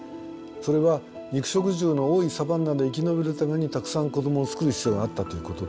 それは肉食獣の多いサバンナで生き延びるためにたくさん子どもをつくる必要があったということ。